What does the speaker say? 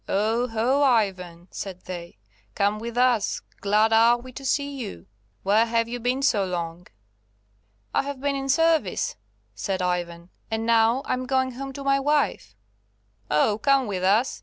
"Oho! Ivan," said they, "come with us; glad are we to see you. Where have you been so long?" "I have been in service," said Ivan, "And now I'm going home to my wife." "Oh, come with us!